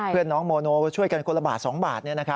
เพื่อนน้องโมโนช่วยกันคนละบาท๒บาท